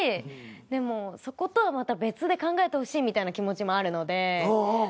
でもそことはまた別で考えてほしいみたいな気持ちもあるので。